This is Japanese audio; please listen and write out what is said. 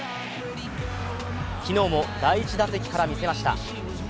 昨日も第１打席から見せました。